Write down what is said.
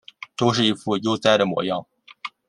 都是一副悠哉的模样